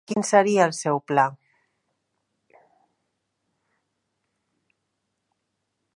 Quin seria el seu pla?